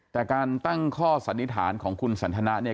แต่การตั้งข้อสันนิษฐานของคุณสันทนะเนี่ย